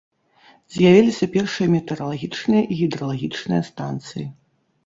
З'явіліся першыя метэаралагічныя і гідралагічныя станцыі.